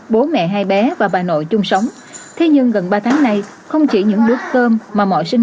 bố mẹ hai bé và bà nội chung sống thế nhưng gần ba tháng nay không chỉ những bút tôm mà mọi sinh